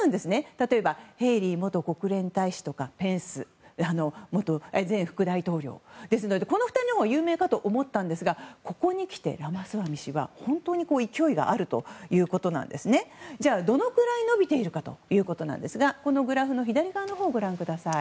例えば、ヘイリー元国連大使とかペンス前副大統領ですのでこの２人も有名かと思ったんですがここに来て、ラマスワミ氏は本当に勢いがあるということでじゃあ、どのくらい伸びているかということなんですがこのグラフの左側のほうをご覧ください。